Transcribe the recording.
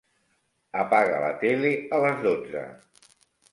Apaga la tele a les dotze.